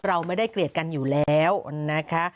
เราไม่ได้เกลียดกันอยู่แล้วนะคะ